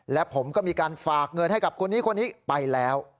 และผมก็มีการฝากเงินให้กับคนนี้คนนี้ไปแล้ว